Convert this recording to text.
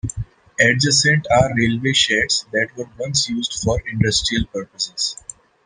Adjacent are railway sheds that were once used for industrial purposes.